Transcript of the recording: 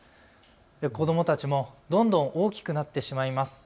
子どもたちもどんどん大きくなってしまいます。